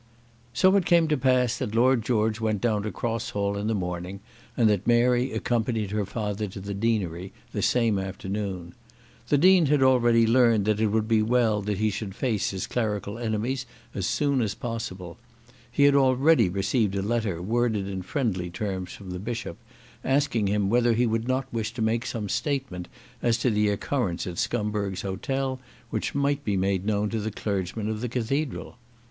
So it came to pass that Lord George went down to Cross Hall in the morning and that Mary accompanied her father to the deanery the same afternoon. The Dean had already learned that it would be well that he should face his clerical enemies as soon as possible. He had already received a letter worded in friendly terms from the Bishop, asking him whether he would not wish to make some statement as to the occurrence at Scumberg's Hotel which might be made known to the clergymen of the Cathedral.